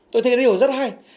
tôi thấy điều này rất hay